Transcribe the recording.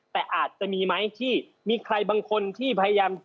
แต่อาจจะมีไหมที่มีใครบางคนที่พยายาม